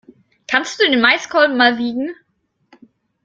Kannst du den Maiskolben mal wiegen?